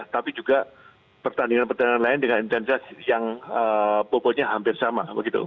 tapi juga pertandingan pertandingan lain dengan intensitas yang pokoknya hampir sama